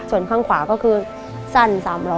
ส่วนข้างขวาก็คือสั้น๓ล้อ